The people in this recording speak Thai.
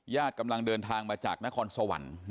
กำลังเดินทางมาจากนครสวรรค์